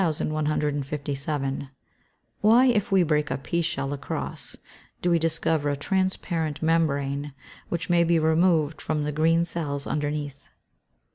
_Why, if we break a pea shell across, do we discover a transparent membrane which may be removed from the green cells underneath?